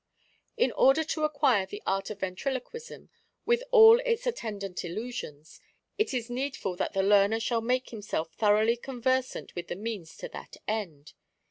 In order to acquire the art of Ventriloquism, with all its attend ant illusions, it is needful that the learner shall make himself thoroughly conversant with the means to that end.